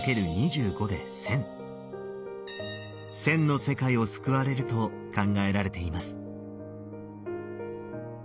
１，０００の世界を救われると考えられています。